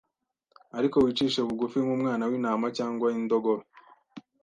Ariko wicishe bugufi nkumwana wintama cyangwa indogobe